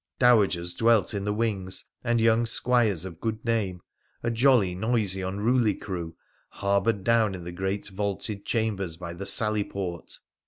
Dowagers dwelt in the wings, and young squires of good name — a jolly, noisy, unruly crew — harboured down in the great vaulted chambers by the sally port.